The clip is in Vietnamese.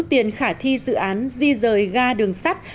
tiền khả thi dự án di rời ga đường sắt